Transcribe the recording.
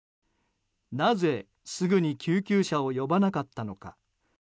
なぜすぐに救急車を呼ばなかったのか。